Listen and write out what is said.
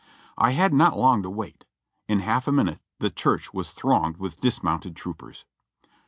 I had not long to wait. In half a minute the church was thronged with the dismounted troopers.